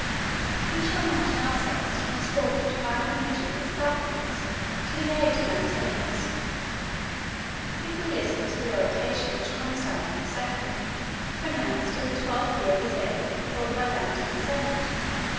We shall imagine ourselves transported five hundred years backwards to the age of the Antonines, if we listen to the oration which Constans II. pronounced in the twelfth year of his age before the Byzantine senate.